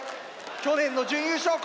去年の準優勝校！